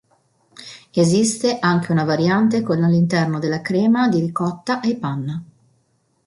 Esiste anche una variante con all'interno della crema di ricotta e panna.